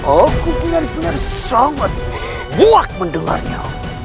aku benar benar sangat buak mendengarnya